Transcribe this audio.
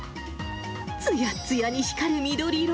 つやつやに光る緑色。